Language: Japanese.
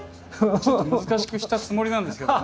ちょっと難しくしたつもりなんですけどね。